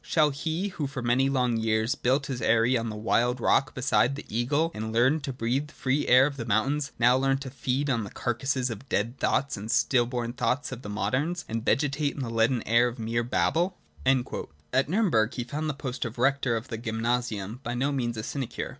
'Shall he, who for many long years built his eyry on the wild rock beside the eagle and learned to breathe the free air of the mountains, now learn to feed on the carcases of dead thoughts or the still born thoughts of the moderns, and vegetate in the leaden air of mere babble >?' At Nilrnberg he found the post of rector of the 'gymnasium' by no means a sinecure.